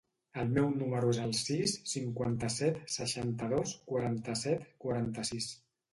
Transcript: El meu número es el sis, cinquanta-set, seixanta-dos, quaranta-set, quaranta-sis.